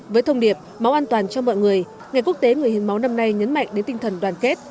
với thông điệp máu an toàn cho mọi người ngày quốc tế người hiến máu năm nay nhấn mạnh đến tinh thần đoàn kết